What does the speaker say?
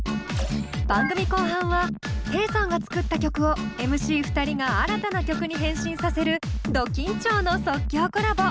番組後半はテイさんが作った曲をＭＣ２人が新たな曲に変身させるど緊張の即興コラボ！